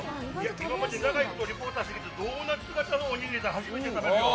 今まで長いことリポーターしてるけどドーナツ型のおにぎりは初めて食べるよ。